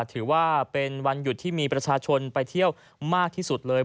ถือว่าเป็นวันหยุดที่มีประชาชนไปเที่ยวมากที่สุดเลย